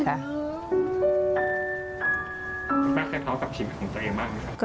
แม่เคยท้อกับชีวิตของตัวเองบ้างไหมครับ